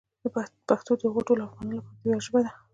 پښتو د هغو ټولو افغانانو لپاره د ویاړ ژبه ده.